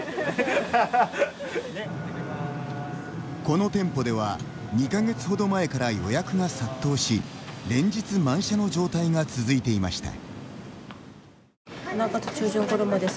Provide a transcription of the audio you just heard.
この店舗では２か月ほど前から予約が殺到し連日、満車の状態が続いていました。